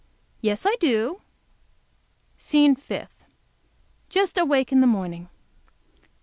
Yes, I do. SCENE FIFTH Just awake in the morning.